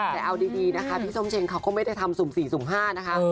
แต่เอาดีนะคะพี่ส้มเชงเขาก็ไม่ได้ทำสุ่ม๔สุ่ม๕นะคะ